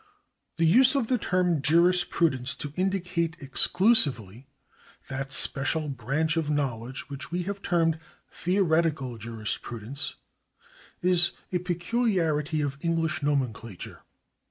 The use of the term jurisprudence to indicate exclusively that special branch of knowledge which we have termed theoretical jurisprudence, is a peculiarity of English nomenclature.